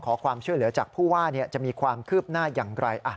ขอความช่วยเหลือจากผู้ว่าจะมีความคืบหน้าอย่างไร